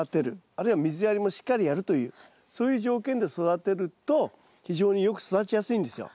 あるいは水やりもしっかりやるというそういう条件で育てると非常によく育ちやすいんですよ